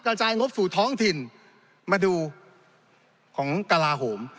กระจายงบสู่ท้องถิ่นมาดูของกระลาโหม